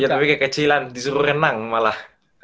tapi kekecilan disuruh renang malah